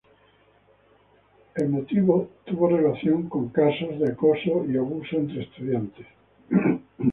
El motivo tuvo relación con casos de acoso y abuso entre estudiantes.